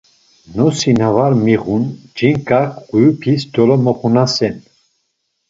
Nosi na var miğun, ç̌inǩak kyupis dolomoxunasen.